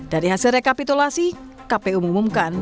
dari hasil rekapitulasi kpu mengumumkan